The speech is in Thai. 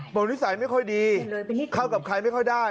นิสัยไม่ค่อยดีเข้ากับใครไม่ค่อยได้